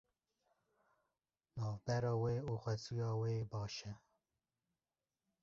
Navbera wê û xesûya wê baş e.